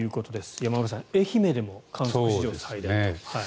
山村さん、愛媛でも観測史上最大ということです。